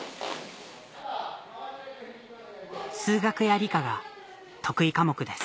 数学や理科が得意科目です